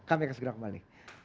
kami akan segera kembali